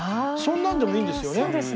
そんなんでもいいんですよね。